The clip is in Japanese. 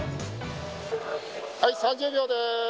はい、３０秒です。